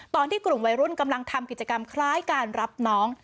ตอนที่กลุ่มวัยรุ่นกำลังทำกิจกรรมคล้ายการรับน้อง